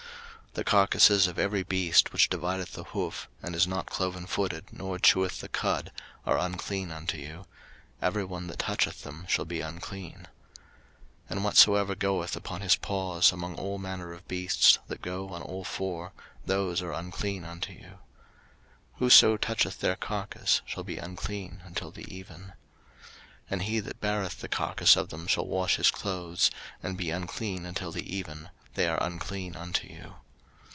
03:011:026 The carcases of every beast which divideth the hoof, and is not clovenfooted, nor cheweth the cud, are unclean unto you: every one that toucheth them shall be unclean. 03:011:027 And whatsoever goeth upon his paws, among all manner of beasts that go on all four, those are unclean unto you: whoso toucheth their carcase shall be unclean until the even. 03:011:028 And he that beareth the carcase of them shall wash his clothes, and be unclean until the even: they are unclean unto you.